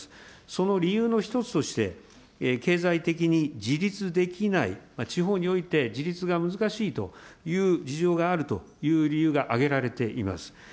その理由の１つとして、経済的に自立できない、地方において自立が難しいという事情があるという理由が挙げられています。